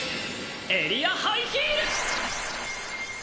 エリアハイヒール！